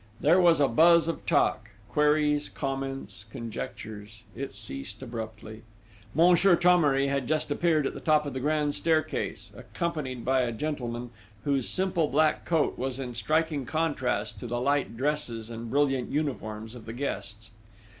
There was a buzz of talk queries, comments, conjectures: it ceased abruptly. Monsieur Thomery had just appeared at the top of the grand staircase, accompanied by a gentleman, whose simple black coat was in striking contrast to the light dresses and brilliant uniforms of the guests.